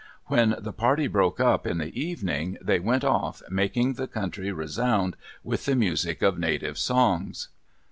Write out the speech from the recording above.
When the party broke up in the evening, they went off, making the country resound with the music of native songs.